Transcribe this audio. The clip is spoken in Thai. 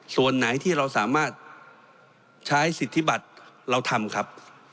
ส่วนไหนที่เราสามารถใช้สิทธิบัตรเราทำครับ